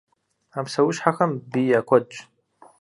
А псэущхьэхэм бий я куэдщ.